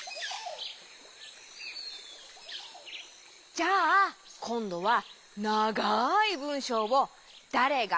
じゃあこんどはながいぶんしょうを「だれが」